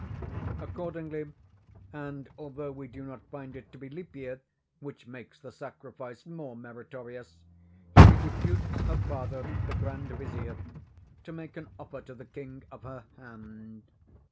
Accordingly, and although we do not find it to be leap year (which makes the sacrifice more meritorious), she deputes her father, the grand vizier, to make an offer to the king of her hand.